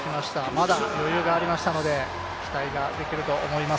まだ余裕がありましたので期待ができると思います。